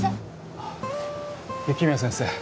あっ雪宮先生。